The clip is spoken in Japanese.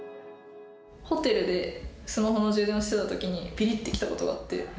ホテルでスマホの充電してたときに、びりってきたことがあって。